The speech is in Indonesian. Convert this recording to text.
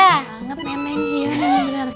sangat memang gila bener